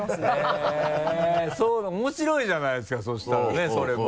へぇ面白いじゃないですかそしたらねそれも。